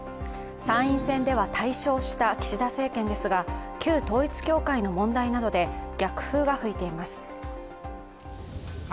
参院選では大勝した岸田政権ですが旧統一教会の問題などで逆風が吹いています。